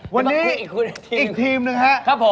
วันนี้อีกทีมหนึ่งครับผม